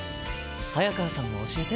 早川さんも教えて。